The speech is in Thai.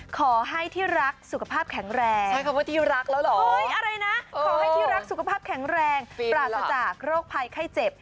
ขอให้ที่รักสุขภาพแข็งแรงปราศจากโรคภัยไข้เจ็บ